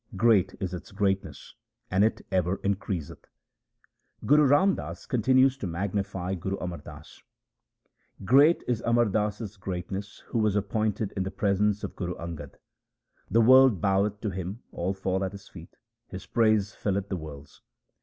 Great is its greatness, and it ever increaseth, SIKH. II X 306 THE SIKH RELIGION Guru Ram Das continues to magnify Guru Amar Das :— Great is Amar Das's greatness who was appointed in the presence of Guru Angad. The world boweth to him ; all fall at his feet ; his praise filleth the worlds.